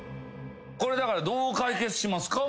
これだからどう解決しますか？